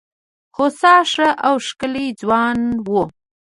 هوسا ښه او ښکلی ځوان وو.